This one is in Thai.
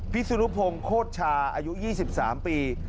สุรุพงศ์โคตรชาอายุ๒๓ปี